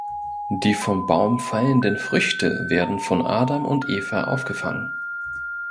Die vom Baum fallenden Früchte werden von Adam und Eva aufgefangen.